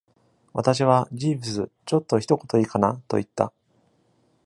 私は、ジーヴス、ちょっと一言いいかな、と言った。